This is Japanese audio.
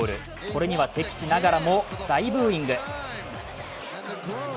これには敵地ながらも大ブーイング。